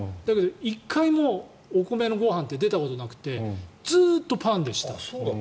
１回もお米のご飯って出たことがなくてずっとパンでした。